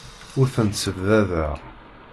Ur tent-ssebdadeɣ.